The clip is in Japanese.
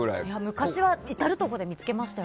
昔は至るところで見つけました。